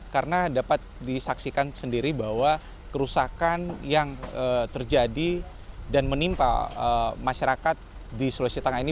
karena dapat disaksikan sendiri bahwa kerusakan yang terjadi dan menimpa masyarakat di sulawesi tengah ini